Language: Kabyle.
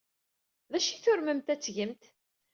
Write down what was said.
D acu ay turmemt ad t-tgemt?